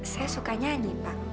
saya suka nyanyi pak